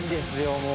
もう。